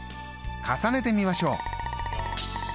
重ねてみましょう。